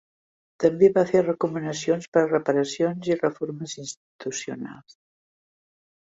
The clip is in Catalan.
També va fer recomanacions per a reparacions i reformes institucionals.